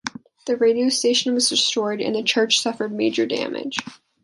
The radio station was destroyed and the church suffered major damage.